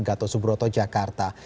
gatot subroto jakarta